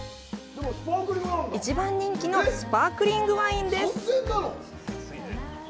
一番人気のスパークリングワインです。